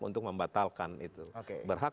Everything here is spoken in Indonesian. untuk membatalkan itu berhak